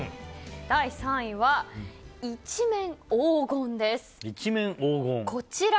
第３位は、一面黄金です。